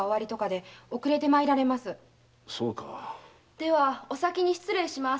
ではお先に失礼します。